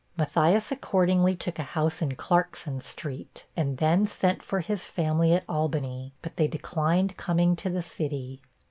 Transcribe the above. Matthias accordingly took a house in Clarkson street, and then sent for his family at Albany, but they declined coming to the city.